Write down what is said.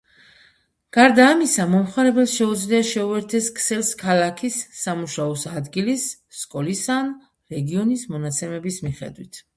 გარდა ამისა, მომხმარებელს შეუძლია შეუერთდეს ქსელს ქალაქის, სამუშაო ადგილის, სკოლისა ან რეგიონის მონაცემების მიხედვით.